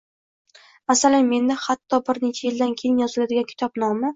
Masalan, menda hatto bir necha yildan keyin yoziladigan kitob nomi